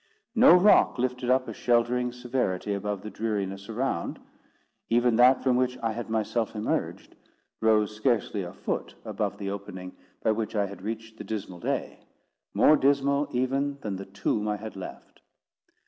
No rock lifted up a sheltering severity above the dreariness around; even that from which I had myself emerged rose scarcely a foot above the opening by which I had reached the dismal day, more dismal even than the tomb I had left.